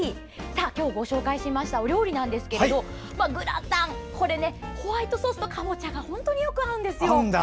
今日ご紹介したお料理ですがグラタン、ホワイトソースとかぼちゃがよく合うんですよ。